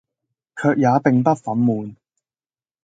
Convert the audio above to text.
卻也並不憤懣，